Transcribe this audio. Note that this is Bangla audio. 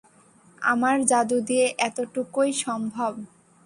আমার জাদু দিয়ে এতটুকুই সম্ভব।